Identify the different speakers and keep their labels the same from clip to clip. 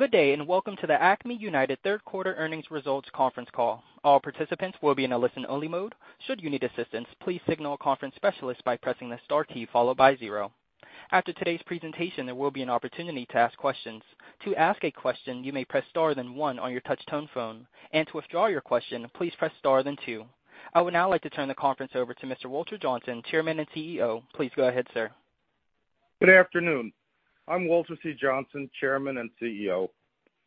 Speaker 1: Good day, and welcome to the Acme United third quarter earnings results conference call. All participants will be in a listen-only mode. Should you need assistance, please signal a conference specialist by pressing the star key followed by zero. After today's presentation, there will be an opportunity to ask questions. To ask a question, you may press star then one on your touch-tone phone, and to withdraw your question, please press star then two. I would now like to turn the conference over to Mr. Walter Johnsen, Chairman and CEO. Please go ahead, sir.
Speaker 2: Good afternoon. I'm Walter C. Johnsen, Chairman and CEO.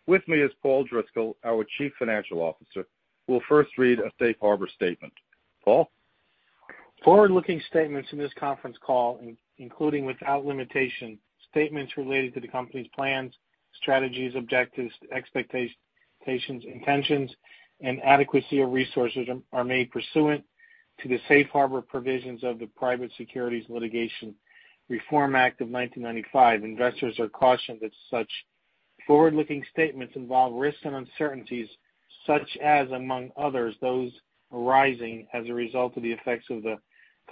Speaker 2: With me is Paul Driscoll, our Chief Financial Officer, who will first read a safe harbor statement. Paul?
Speaker 3: Forward-looking statements in this conference call, including, without limitation, statements related to the company's plans, strategies, objectives, expectations, intentions, and adequacy of resources, are made pursuant to the safe harbor provisions of the Private Securities Litigation Reform Act of 1995. Investors are cautioned that such forward-looking statements involve risks and uncertainties such as, among others, those arising as a result of the effects of the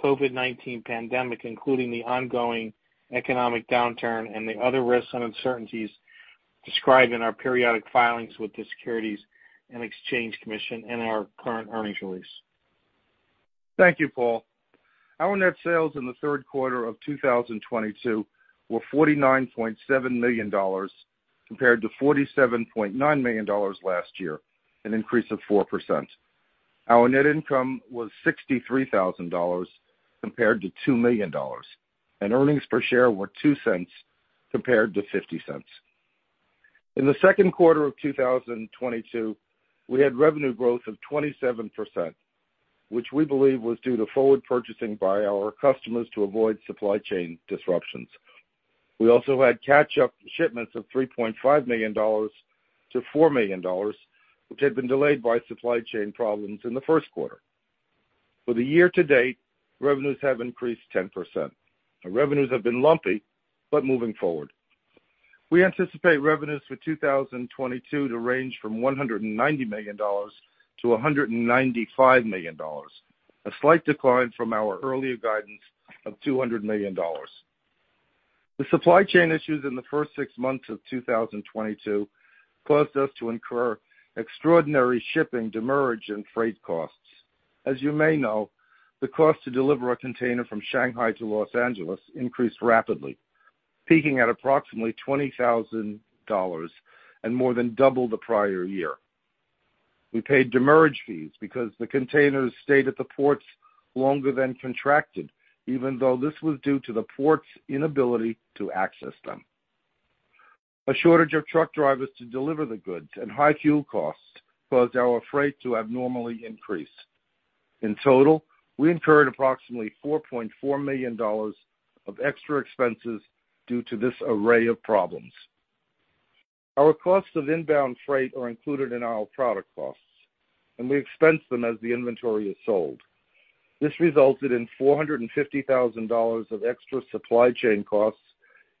Speaker 3: COVID-19 pandemic, including the ongoing economic downturn and the other risks and uncertainties described in our periodic filings with the Securities and Exchange Commission and our current earnings release.
Speaker 2: Thank you, Paul. Our net sales in the third quarter of 2022 were $49.7 million compared to $47.9 million last year, an increase of 4%. Our net income was $63,000 compared to $2 million, and earnings per share were $0.02 compared to $0.50. In the second quarter of 2022, we had revenue growth of 27%, which we believe was due to forward purchasing by our customers to avoid supply chain disruptions. We also had catch-up shipments of $3.5 million-$4 million, which had been delayed by supply chain problems in the first quarter. For the year to date, revenues have increased 10%, and revenues have been lumpy but moving forward. We anticipate revenues for 2022 to range from $190 million to $195 million, a slight decline from our earlier guidance of $200 million. The supply chain issues in the first six months of 2022 caused us to incur extraordinary shipping demurrage and freight costs. As you may know, the cost to deliver a container from Shanghai to Los Angeles increased rapidly, peaking at approximately $20,000 and more than double the prior year. We paid demurrage fees because the containers stayed at the ports longer than contracted, even though this was due to the ports' inability to access them. A shortage of truck drivers to deliver the goods and high fuel costs caused our freight to abnormally increase. In total, we incurred approximately $4.4 million of extra expenses due to this array of problems. Our costs of inbound freight are included in our product costs, and we expense them as the inventory is sold. This resulted in $450,000 of extra supply chain costs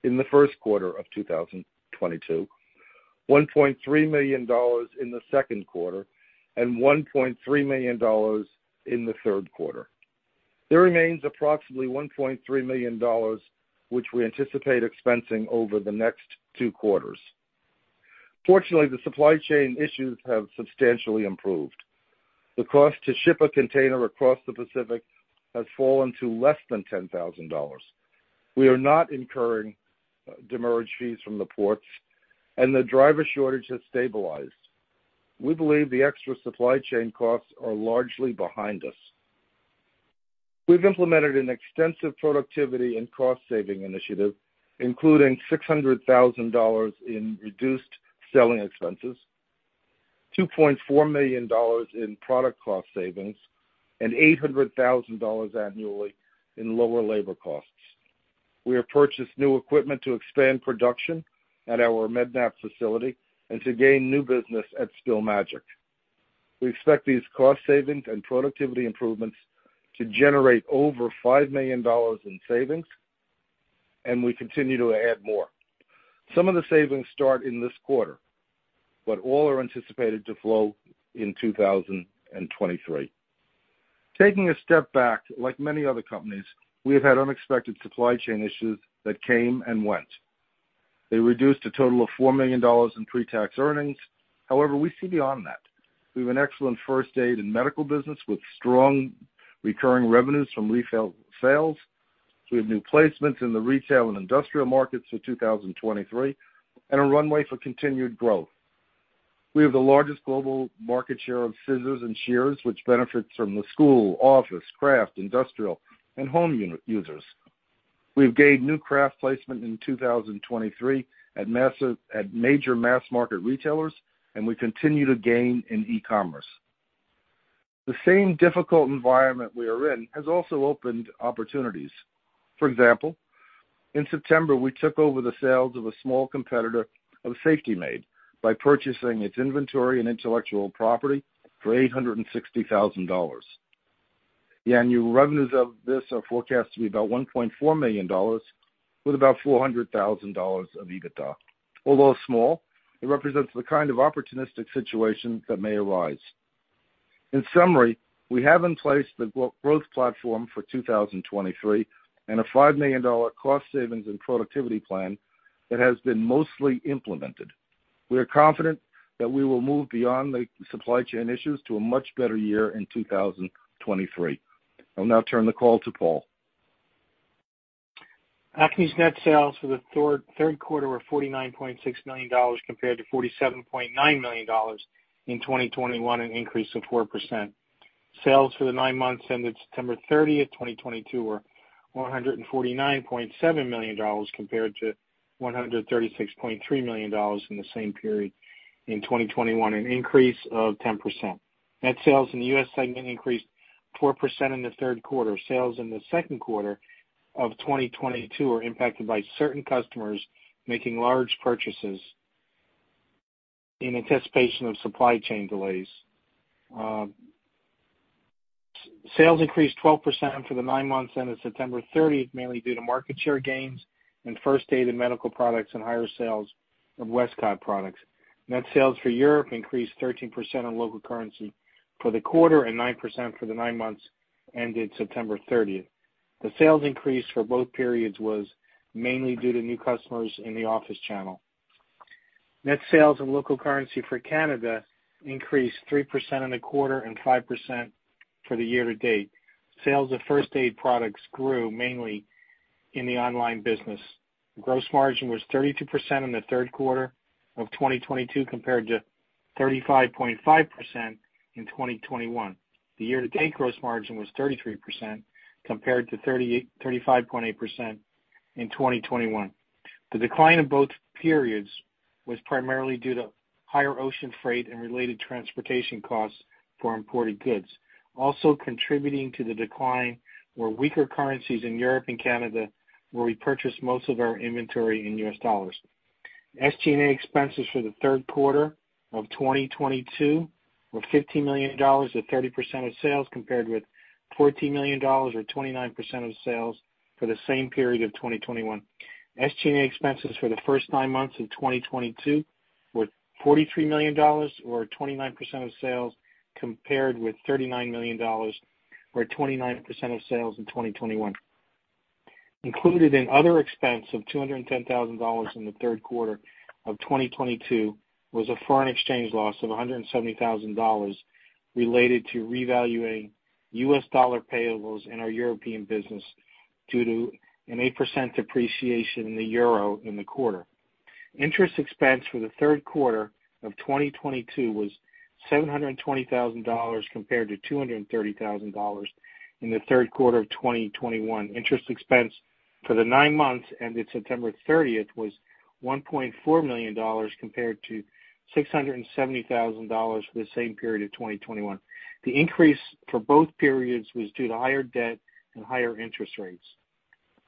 Speaker 2: in the first quarter of 2022, $1.3 million in the second quarter, and $1.3 million in the third quarter. There remains approximately $1.3 million, which we anticipate expensing over the next two quarters. Fortunately, the supply chain issues have substantially improved. The cost to ship a container across the Pacific has fallen to less than $10,000. We are not incurring demurrage fees from the ports, and the driver shortage has stabilized. We believe the extra supply chain costs are largely behind us. We've implemented an extensive productivity and cost-saving initiative, including $600,000 in reduced selling expenses, $2.4 million in product cost savings, and $800,000 annually in lower labor costs. We have purchased new equipment to expand production at our Med-Nap facility and to gain new business at Spill Magic. We expect these cost savings and productivity improvements to generate over $5 million in savings, and we continue to add more. Some of the savings start in this quarter, but all are anticipated to flow in 2023. Taking a step back, like many other companies, we have had unexpected supply chain issues that came and went. They reduced a total of $4 million in pre-tax earnings. However, we see beyond that. We have an excellent first aid and medical business with strong recurring revenues from refill sales. We have new placements in the retail and industrial markets for 2023 and a runway for continued growth. We have the largest global market share of scissors and shears, which benefits from the school, office, craft, industrial, and home end-users. We've gained new craft placement in 2023 at major mass market retailers, and we continue to gain in e-commerce. The same difficult environment we are in has also opened opportunities. For example, in September, we took over the sales of a small competitor of Safety Made by purchasing its inventory and intellectual property for $860,000. The annual revenues of this are forecast to be about $1.4 million with about $400,000 of EBITDA. Although small, it represents the kind of opportunistic situations that may arise. In summary, we have in place the growth platform for 2023 and a $5 million cost savings and productivity plan that has been mostly implemented. We are confident that we will move beyond the supply chain issues to a much better year in 2023. I'll now turn the call to Paul.
Speaker 3: Acme's net sales for the third quarter were $49.6 million compared to $47.9 million in 2021, an increase of 4%. Sales for the nine months ended September 30, 2022 were $149.7 million compared to $136.3 million in the same period in 2021, an increase of 10%. Net sales in the U.S. segment increased 4% in the third quarter. Sales in the second quarter of 2022 were impacted by certain customers making large purchases in anticipation of supply chain delays. Sales increased 12% for the nine months ended September 30, mainly due to market share gains in first aid and medical products and higher sales of Westcott products. Net sales for Europe increased 13% on local currency for the quarter and 9% for the nine months ended September 30. The sales increase for both periods was mainly due to new customers in the office channel. Net sales in local currency for Canada increased 3% in the quarter and 5% for the year-to-date. Sales of first aid products grew mainly in the online business. Gross margin was 32% in the third quarter of 2022 compared to 35.5% in 2021. The year-to-date gross margin was 33% compared to 35.8% in 2021. The decline in both periods was primarily due to higher ocean freight and related transportation costs for imported goods. Also contributing to the decline were weaker currencies in Europe and Canada, where we purchase most of our inventory in U.S. dollars. SG&A expenses for the third quarter of 2022 were $15 million, or 30% of sales, compared with $14 million or 29% of sales for the same period of 2021. SG&A expenses for the first 9 months of 2022 were $43 million or 29% of sales, compared with $39 million or 29% of sales in 2021. Included in other expense of $210,000 in the third quarter of 2022 was a foreign exchange loss of $170,000 related to revaluing U.S. dollar payables in our European business due to an 8% depreciation in the euro in the quarter. Interest expense for the third quarter of 2022 was $720,000 compared to $230,000 in the third quarter of 2021. Interest expense for the nine months ended September 30 was $1.4 million compared to $670 thousand for the same period of 2021. The increase for both periods was due to higher debt and higher interest rates.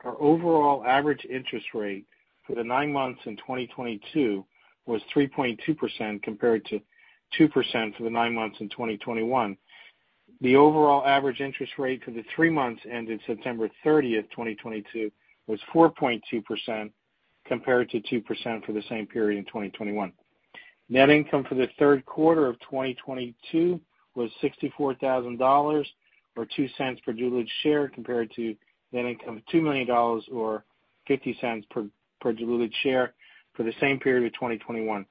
Speaker 3: Our overall average interest rate for the nine months in 2022 was 3.2% compared to 2% for the nine months in 2021. The overall average interest rate for the three months ended September 30, 2022 was 4.2% compared to 2% for the same period in 2021. Net income for the third quarter of 2022 was $64 thousand, or $0.02 per diluted share, compared to net income of $2 million or $0.50 per diluted share for the same period of 2021.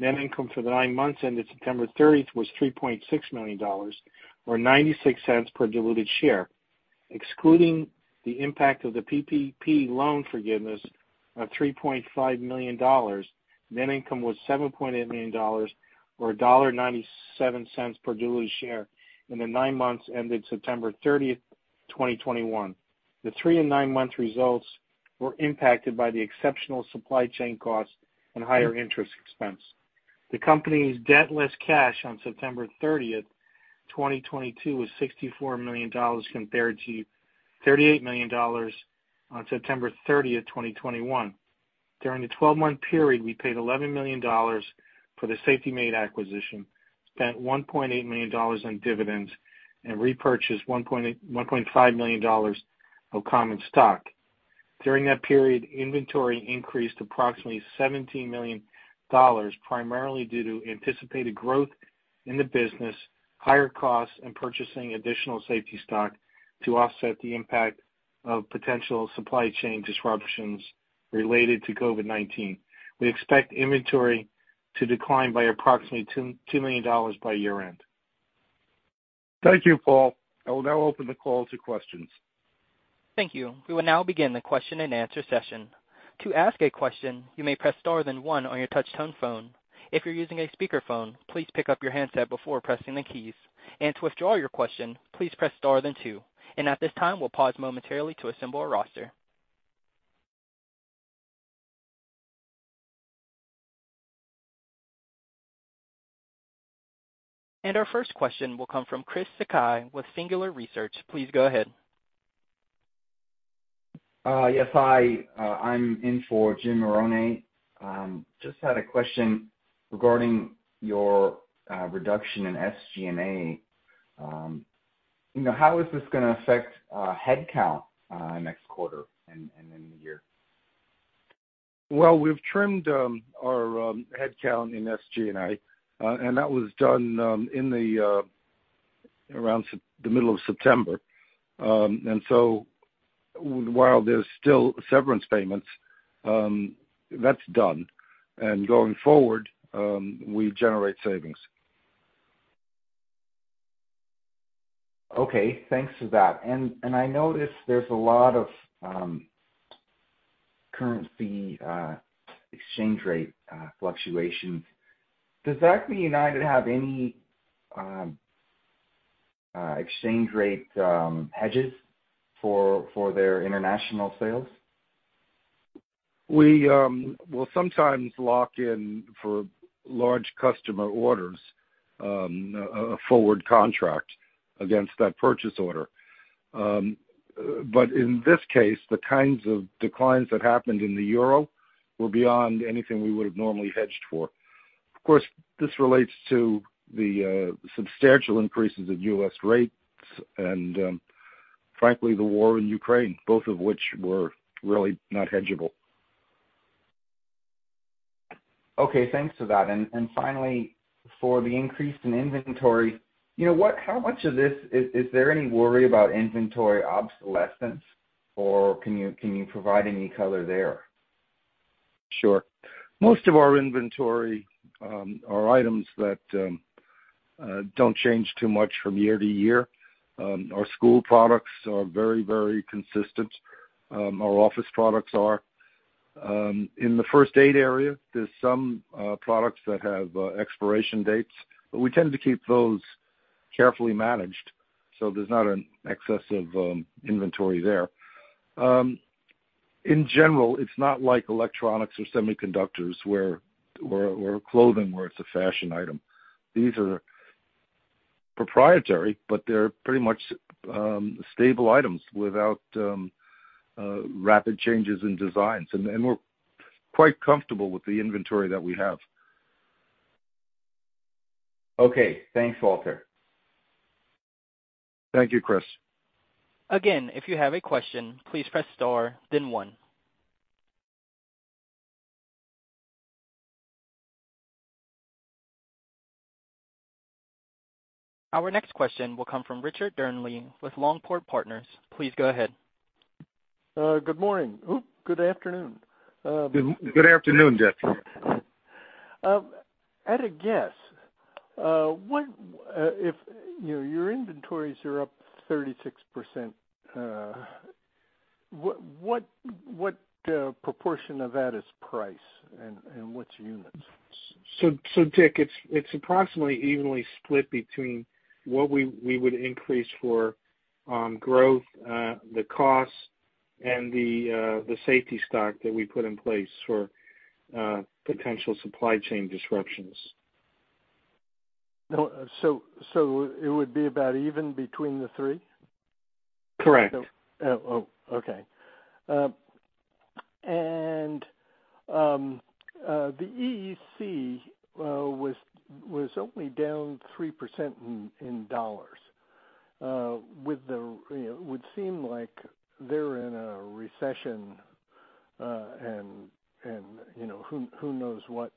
Speaker 3: Net income for the nine months ended September 30 was $3.6 million or $0.96 per diluted share. Excluding the impact of the PPP loan forgiveness of $3.5 million, net income was $7.8 million or $1.97 per diluted share in the nine months ended September 30, 2021. The three and nine-month results were impacted by the exceptional supply chain costs and higher interest expense. The company's debt less cash on September 30, 2022 was $64 million compared to $38 million on September 30, 2021. During the 12-month period, we paid $11 million for the Safety Made acquisition, spent $1.8 million in dividends and repurchased $1.5 million of common stock. During that period, inventory increased approximately $17 million, primarily due to anticipated growth in the business, higher costs, and purchasing additional safety stock to offset the impact of potential supply chain disruptions related to COVID-19. We expect inventory to decline by approximately $2 million by year-end.
Speaker 2: Thank you, Paul. I will now open the call to questions.
Speaker 1: Thank you. We will now begin the question-and-answer session. To ask a question, you may press star then one on your touchtone phone. If you're using a speakerphone, please pick up your handset before pressing the keys. To withdraw your question, please press star then two. At this time, we'll pause momentarily to assemble our roster. Our first question will come from Chris Sakai with Singular Research. Please go ahead.
Speaker 4: Yes, hi. I'm in for Jim Marrone. Just had a question regarding your reduction in SG&A. You know, how is this gonna affect headcount next quarter and in the year?
Speaker 2: Well, we've trimmed our headcount in SG&A, and that was done around the middle of September. While there's still severance payments, that's done. Going forward, we generate savings.
Speaker 4: Okay, thanks for that. I noticed there's a lot of currency exchange rate fluctuations. Does Acme United have any exchange rate hedges for their international sales?
Speaker 2: We will sometimes lock in for large customer orders a forward contract against that purchase order. In this case, the kinds of declines that happened in the euro were beyond anything we would've normally hedged for. Of course, this relates to the substantial increases in U.S. rates and, frankly, the war in Ukraine, both of which were really not hedgeable.
Speaker 4: Okay, thanks for that. Finally, for the increase in inventory, you know, how much of this is there any worry about inventory obsolescence or can you provide any color there?
Speaker 2: Sure. Most of our inventory are items that don't change too much from year to year. Our school products are very, very consistent. Our office products are. In the first aid area, there's some products that have expiration dates, but we tend to keep those carefully managed, so there's not an excess of inventory there. In general, it's not like electronics or semiconductors or clothing where it's a fashion item. These are proprietary, but they're pretty much stable items without rapid changes in designs. We're quite comfortable with the inventory that we have.
Speaker 4: Okay. Thanks, Walter.
Speaker 2: Thank you, Chris.
Speaker 1: Again, if you have a question, please press star then one. Our next question will come from Richard Dearnley with Longport Partners. Please go ahead.
Speaker 5: Good afternoon.
Speaker 2: Good afternoon, Dearnley.
Speaker 5: At a guess, what if, you know, your inventories are up 36%, what proportion of that is price and which units?
Speaker 2: Dick, it's approximately evenly split between what we would increase for growth, the costs and the safety stock that we put in place for potential supply chain disruptions.
Speaker 5: No. It would be about even between the three?
Speaker 2: Correct.
Speaker 5: Oh. Oh, okay. Europe was only down 3% in dollars. You know, would seem like they're in a recession, and you know, who knows what,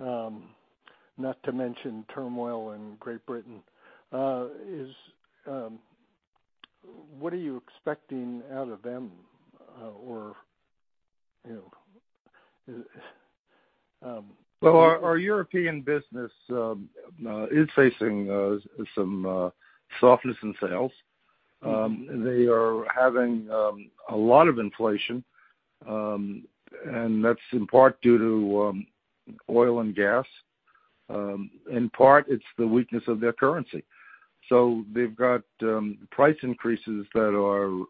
Speaker 5: not to mention turmoil in Great Britain. What are you expecting out of them, or you know?
Speaker 2: Well, our European business is facing some softness in sales. They are having a lot of inflation, and that's in part due to oil and gas. In part, it's the weakness of their currency. So they've got price increases that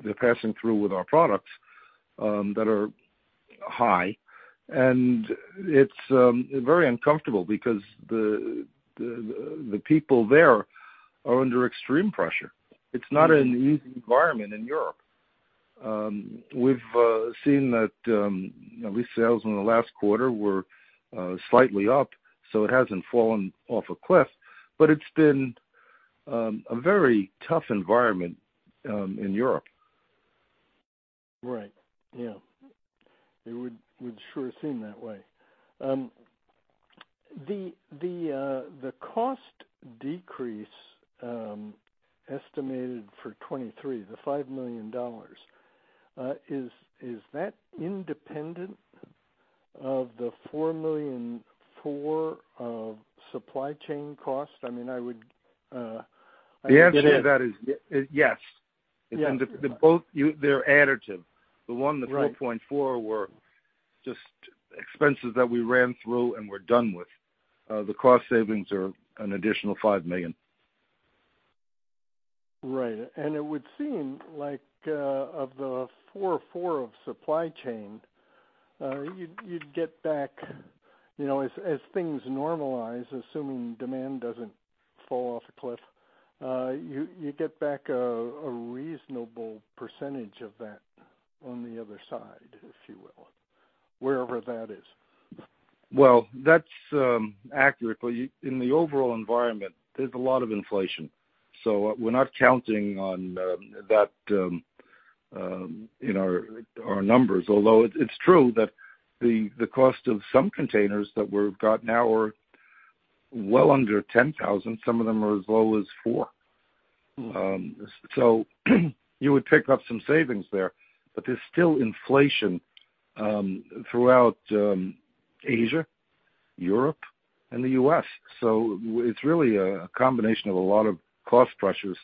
Speaker 2: they're passing through with our products that are high, and it's very uncomfortable because the people there are under extreme pressure. It's not an easy environment in Europe. We've seen that at least sales in the last quarter were slightly up, so it hasn't fallen off a cliff. But it's been a very tough environment in Europe.
Speaker 5: Right. Yeah. It would sure seem that way. The cost decrease estimated for 2023, the $5 million, is that independent of the $4.4 million of supply chain costs? I mean, I would
Speaker 2: The answer to that is yes.
Speaker 5: Yes.
Speaker 2: They're additive.
Speaker 5: Right.
Speaker 2: The $1, the $4.4 were just expenses that we ran through and we're done with. The cost savings are an additional $5 million.
Speaker 5: Right. It would seem like, of the four of supply chain, you'd get back, you know, as things normalize, assuming demand doesn't fall off a cliff, you get back a reasonable percentage of that on the other side, if you would.
Speaker 3: Wherever that is.
Speaker 2: Well, that's accurate. In the overall environment, there's a lot of inflation, so we're not counting on that in our numbers. Although it's true that the cost of some containers that we've got now are well under $10,000, some of them are as low as $4. You would pick up some savings there. There's still inflation throughout Asia, Europe and the U.S. It's really a combination of a lot of cost pressures.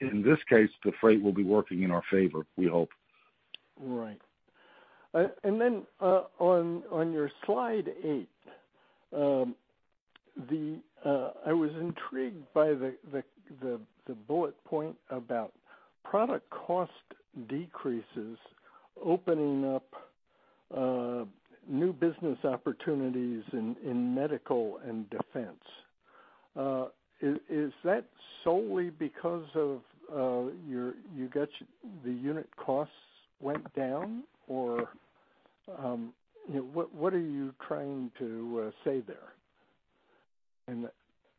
Speaker 2: In this case, the freight will be working in our favor, we hope.
Speaker 5: Right. On your slide eight, I was intrigued by the bullet point about product cost decreases opening up new business opportunities in medical and defense. Is that solely because your unit costs went down or what are you trying to say there? And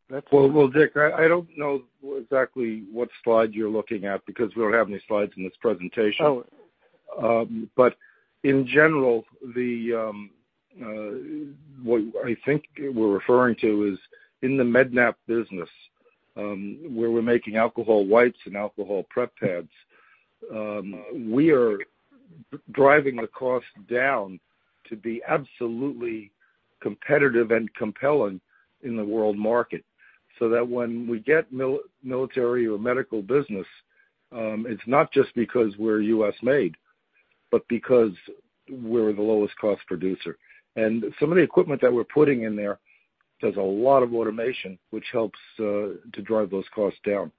Speaker 5: that's-
Speaker 2: Well, well, Dick, I don't know exactly what slide you're looking at because we don't have any slides in this presentation.
Speaker 5: Oh.
Speaker 2: In general, what I think we're referring to is in the Med-Nap business, where we're making alcohol wipes and alcohol prep pads. We are driving the cost down to be absolutely competitive and compelling in the world market so that when we get military or medical business, it's not just because we're U.S. made, but because we're the lowest cost producer. Some of the equipment that we're putting in there does a lot of automation, which helps to drive those costs down.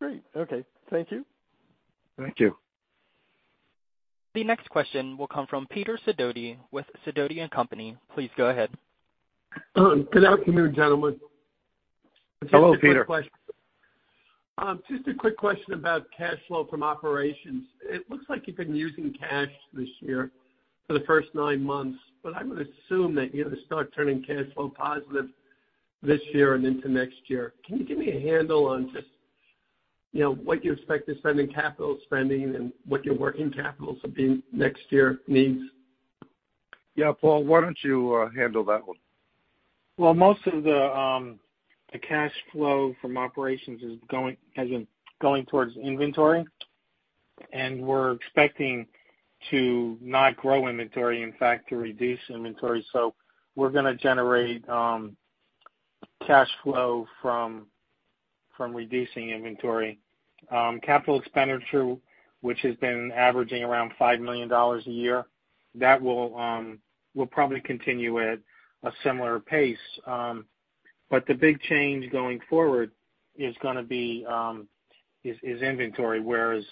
Speaker 5: Great. Okay. Thank you.
Speaker 2: Thank you.
Speaker 1: The next question will come from Peter Sidoti with Sidoti & Company. Please go ahead.
Speaker 6: Good afternoon, gentlemen.
Speaker 2: Hello, Peter.
Speaker 6: Just a quick question about cash flow from operations. It looks like you've been using cash this year for the first nine months, but I would assume that you'll start turning cash flow positive this year and into next year. Can you give me a handle on just, you know, what you expect to spend in capital spending and what your working capital should be next year needs?
Speaker 2: Yeah. Paul, why don't you handle that one?
Speaker 3: Well, most of the cash flow from operations is going, has been going towards inventory, and we're expecting to not grow inventory, in fact, to reduce inventory. We're gonna generate cash flow from reducing inventory. Capital expenditure, which has been averaging around $5 million a year, that will probably continue at a similar pace. The big change going forward is gonna be inventory, whereas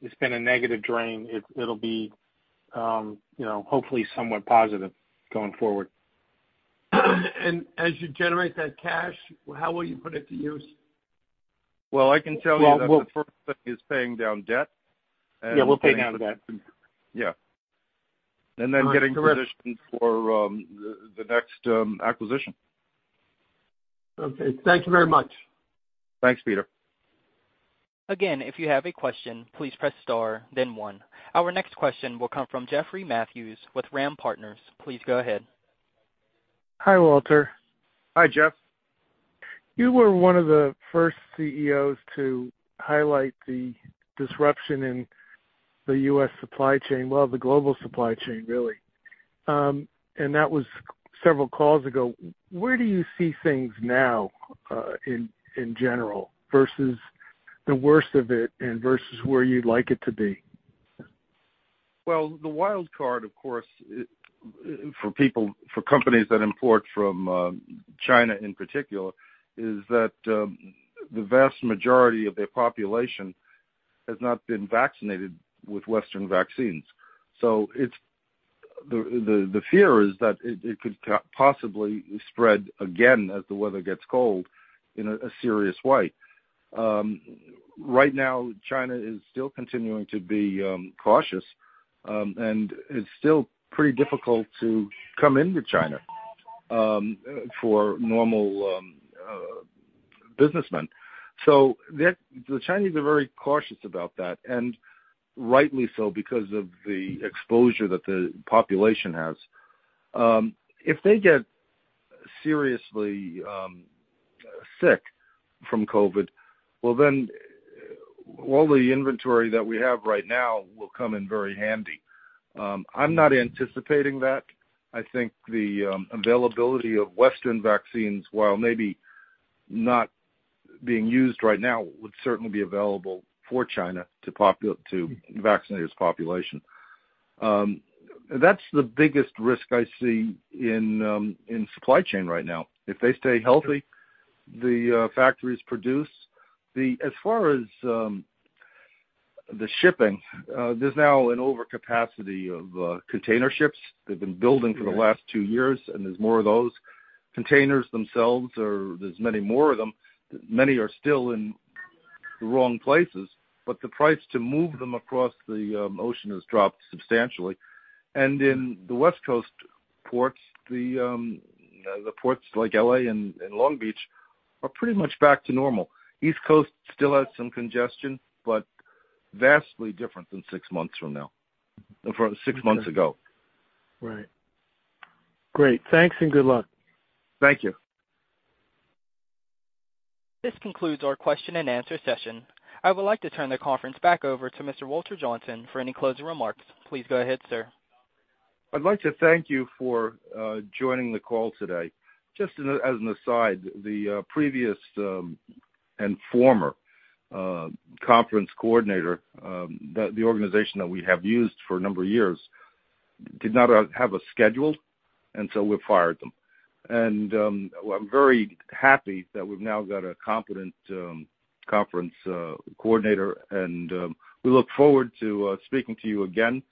Speaker 3: it's been a negative drain. It'll be, you know, hopefully somewhat positive going forward.
Speaker 6: As you generate that cash, how will you put it to use?
Speaker 2: Well, I can tell you that the first thing is paying down debt.
Speaker 3: Yeah, we'll pay down debt.
Speaker 2: Yeah. Getting positioned for the next acquisition.
Speaker 6: Okay. Thank you very much.
Speaker 2: Thanks, Peter.
Speaker 1: Again, if you have a question, please press Star then one. Our next question will come from Jeffrey Matthews with Ram Partners. Please go ahead.
Speaker 7: Hi, Walter.
Speaker 2: Hi, Jeff.
Speaker 7: You were one of the first CEOs to highlight the disruption in the U.S. supply chain. Well, the global supply chain, really. That was several calls ago. Where do you see things now, in general versus the worst of it and versus where you'd like it to be?
Speaker 2: Well, the wild card, of course, for people, for companies that import from China in particular, is that the vast majority of their population has not been vaccinated with Western vaccines. The fear is that it could possibly spread again as the weather gets cold in a serious way. Right now China is still continuing to be cautious. It's still pretty difficult to come into China for normal businessmen. The Chinese are very cautious about that, and rightly so, because of the exposure that the population has. If they get seriously sick from COVID, well, then all the inventory that we have right now will come in very handy. I'm not anticipating that. I think the availability of Western vaccines, while maybe not being used right now, would certainly be available for China to vaccinate its population. That's the biggest risk I see in supply chain right now. If they stay healthy, the factories produce. As far as the shipping, there's now an overcapacity of container ships. They've been building for the last two years, and there's more of those. Containers themselves are, there's many more of them. Many are still in the wrong places, but the price to move them across the ocean has dropped substantially. In the West Coast ports, the ports like L.A. and Long Beach are pretty much back to normal. East Coast still has some congestion, but vastly different than six months ago.
Speaker 7: Right. Great. Thanks and good luck.
Speaker 2: Thank you.
Speaker 1: This concludes our question and answer session. I would like to turn the conference back over to Mr. Walter Johnsen for any closing remarks. Please go ahead, sir.
Speaker 2: I'd like to thank you for joining the call today. Just as an aside, the previous and former conference coordinator, the organization that we have used for a number of years did not have a schedule, and so we fired them. I'm very happy that we've now got a competent conference coordinator. We look forward to speaking to you again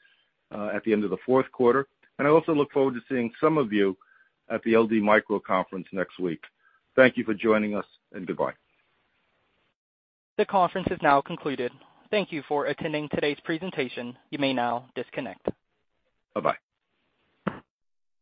Speaker 2: at the end of the fourth quarter. I also look forward to seeing some of you at the LD Micro conference next week. Thank you for joining us, and goodbye.
Speaker 1: The conference is now concluded. Thank you for attending today's presentation. You may now disconnect.
Speaker 2: Bye-bye.